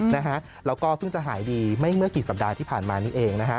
นะฮะแล้วก็เพิ่งจะหายดีไม่เมื่อกี่สัปดาห์ที่ผ่านมานี้เองนะฮะ